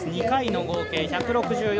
２回の合計１６７．５４。